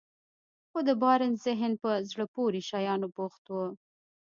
خو د بارنس ذهن په زړه پورې شيانو بوخت و.